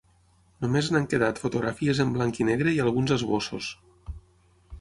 Només n'han quedat fotografies en blanc i negre i alguns esbossos.